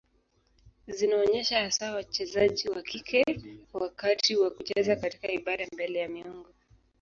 Zinaonyesha hasa wachezaji wa kike wakati wa kucheza katika ibada mbele ya miungu.